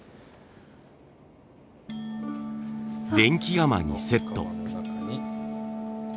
電気釜にセット。